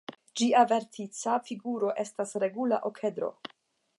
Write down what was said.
Ĝia vertica figuro estas regula okedro.